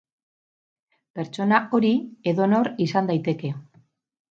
Pertsona hori edonor izan daiteke.